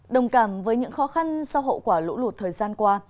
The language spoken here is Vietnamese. đồng cảm với những khó khăn sau hậu quả lũ lụt thời gian qua